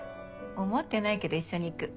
思ってないけど一緒に行く。